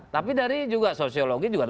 tapi dari juga sosiologi juga